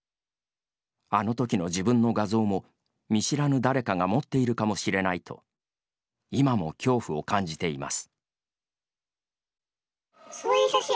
あのときの自分の画像も見知らぬ誰かが持っているかもしれないと今も恐怖を感じています。